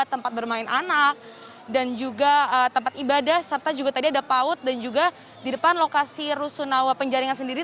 tempat bermain anak dan juga tempat ibadah serta juga tadi ada paut dan juga di depan lokasi rusunawa penjaringan sendiri